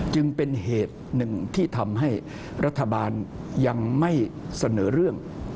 จึงเป็นเหตุหนึ่งที่ทำให้รัฐบาลยังไม่เสนอเรื่อง